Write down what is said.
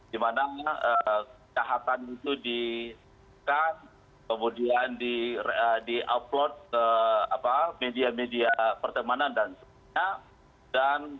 dimana kejahatan itu di kan kemudian di upload ke media media pertemanan dan sebagainya